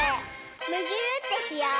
むぎゅーってしよう！